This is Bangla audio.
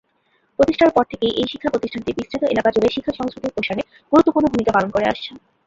প্রতিষ্ঠার পর থেকেই এই শিক্ষা প্রতিষ্ঠানটি বিস্তৃত এলাকা জুড়ে শিক্ষা সংস্কৃতির প্রসারে গুরুত্বপূর্ণ ভুমিকা পালন করে আসছে।